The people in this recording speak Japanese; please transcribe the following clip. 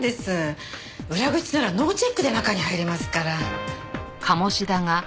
裏口ならノーチェックで中に入れますから。